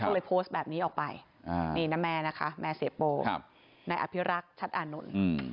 ก็เลยโพสต์แบบนี้ออกไปนี่นะแม่นะคะแม่เสียโป้นายอภิรักษ์ชัดอานนท์